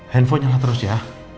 handphone nya terus ya